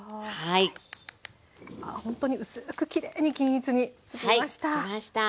あほんとに薄くきれいに均一につきました。